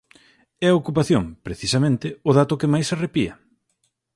É a ocupación, precisamente, o dato que máis arrepía.